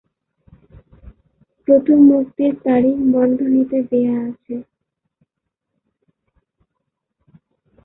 প্রথম মুক্তির তারিখ বন্ধনীতে দেয়া আছে।